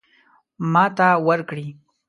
ماته ورکړي.